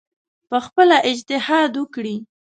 پخپله اجتهاد وکړي